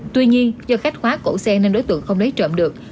tuy nhiên do khách khóa cổ xe nên đối tượng không lấy trộm được